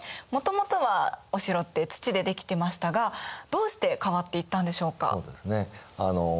もともとはお城って土で出来てましたがどうして変わっていったんでしょうか？